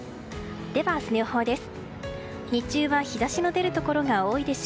では明日の予報です。